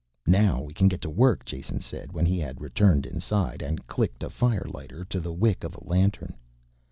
"Now we can get to work," Jason said when he had returned inside, and clicked a firelighter to the wick of a lantern.